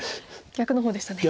逆の方でしたね。